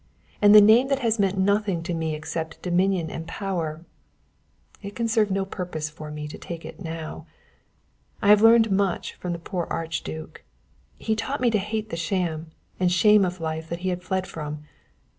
And the name that has meant nothing to me except dominion and power, it can serve no purpose for me to take it now. I learned much from the poor Archduke; he taught me to hate the sham and shame of the life he had fled from.